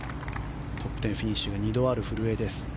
トップ１０フィニッシュが２度ある古江です。